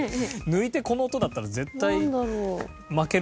抜いてこの音だったら絶対負けるでしょうね。